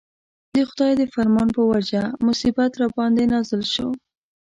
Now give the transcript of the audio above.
د خدای د فرمان په وجه مصیبت راباندې نازل شو.